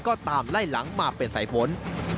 ก็ตามไล่หลังมาเป็นสายผล